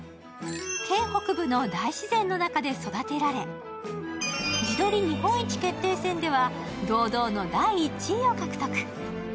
県北部の大自然の中で育てられ地鶏日本一決定戦では、堂々の第１位を獲得。